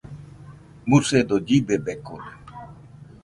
Musedo llibebekode